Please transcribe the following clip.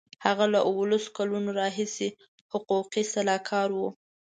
هغه له اوولس کلونو راهیسې حقوقي سلاکار و.